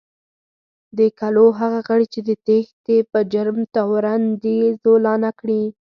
د کلو هغه غړي چې د تېښتې په جرم تورن دي، زولانه کړي